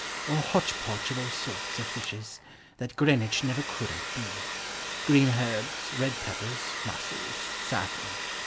Or hotchpotch of all sorts of fishes. That Greenwich never could outdo; Green herbs, red pepfiers, mussels, safi'ern.